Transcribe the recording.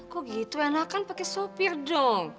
kok gitu enakan pake sopir dong